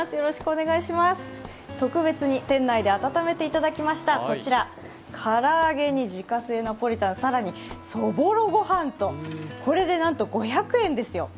特別に店内で温めていただきました、こちら、唐揚げに自家製ナポリタン、更にそぼろごはんと、これでなんと５００円ですよ。